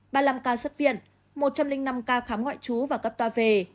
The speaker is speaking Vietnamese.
ba mươi năm ca xuất viện một trăm linh năm ca khám ngoại trú và cấp ca về